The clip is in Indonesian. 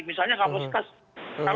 misalnya kapal stres